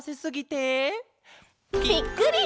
「ぴっくり！